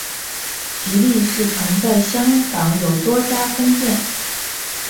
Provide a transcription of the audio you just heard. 吉利市曾在香港有多家分店。